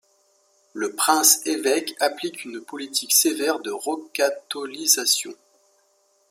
Le prince-évêque applique une politique sévère de recatholisation.